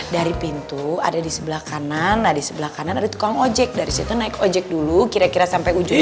dari pintu ada di sebelah kanan nah di sebelah kanan ada tukang ojek dari situ naik ojek dulu kira kira sampai ujung ujungnya